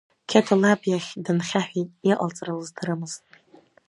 Қьеҭо лаб иахь дынхьаҳәит, иҟалҵара лыздырамызт.